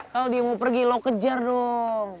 kalau dia mau pergi lo kejar dong